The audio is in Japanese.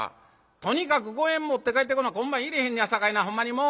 とにかく五円持って帰ってこな今晩入れへんのやさかいなほんまにもう！